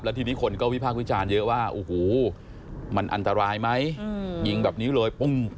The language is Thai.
ทีนี้คนก็วิพากษ์วิจารณ์เยอะว่าโอ้โหมันอันตรายไหมยิงแบบนี้เลยปุ้ม